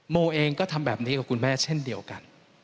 โมเองก็ทำแบบนี้กับคุณแม่เช่นเดียวกัน